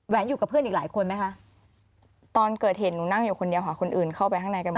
อยู่กับเพื่อนอีกหลายคนไหมคะตอนเกิดเหตุหนูนั่งอยู่คนเดียวค่ะคนอื่นเข้าไปข้างในกันหมด